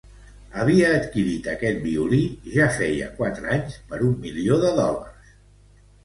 Havia adquirit este violí ja feia quatre anys per un milió de dòlars.